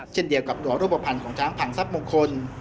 เช่นเดียวกับตัวรูปภัณฑ์ของช้างพังทรัพย์มงคล